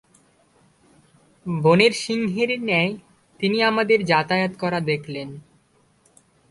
বনের সিংহের ন্যায় তিনি তাদের যাতায়াত করা দেখলেন।